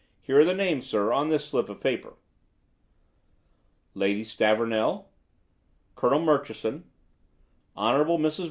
Here are the names, sir, on this slip of paper." "Lady Stavornell; Colonel Murchison; Hon. Mrs.